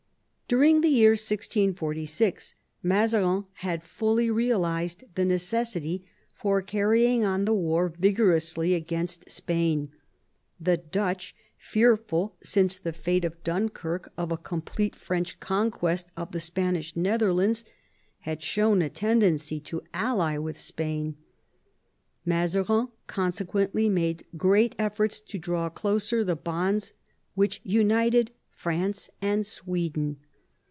During the year 1646 Mazarin had fully realised the necessity for carrying on the war vigorously against Spain. The Dutch, fearful, since the fate of Dunkirk, 1 Ch^ruel, ii. 216. II THE REBELLION IN NAPLES 27 of a complete French conquest of the Spanish Nether lands, had shown a tendency to ally with Spain. Mazarin consequently made great efforts to draw closer the honds which united France and Sweden.